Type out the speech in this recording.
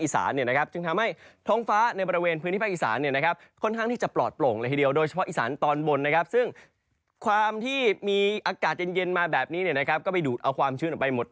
ซึ่งความที่มีอากาศเย็นมาแบบนี้ก็ไปดูดเอาความชื้นออกไปหมด